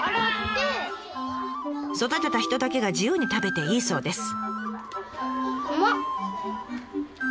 育てた人だけが自由に食べていいそうです。